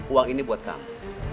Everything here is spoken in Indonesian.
uang ini buat kamu